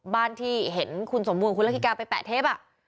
บ้านที่เห็นคุณสมวงคุณลักษิกาไปแปะเทปอะ